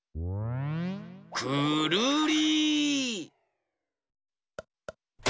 くるり！